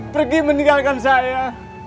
pergi meninggalkan saya